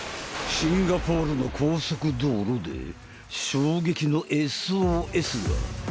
シンガポールの高速道路で衝撃のＳＯＳが！